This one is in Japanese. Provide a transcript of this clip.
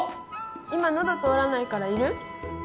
今喉通らないからいる？